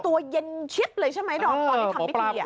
ตัวเย็นเชี๊บเลยใช่ไหมตอนที่ทำพิธี